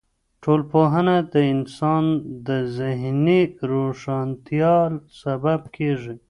ټولنپوهنه د انسان د ذهن د روښانتیا سبب کیږي.